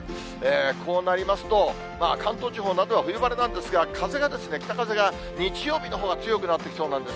こうなりますと、関東地方などは冬晴れなんですが、風が、北風が日曜日のほうが強くなってきそうなんです。